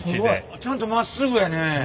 ちゃんとまっすぐやね。